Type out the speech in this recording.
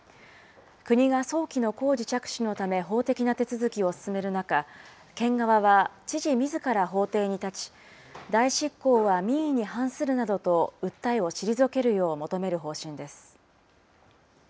国が早期の工事着手のため法的な手続きを進める中、県側は知事みずから法廷に立ち、代執行は民意に反するなどと訴えを退けるよう求める方針です。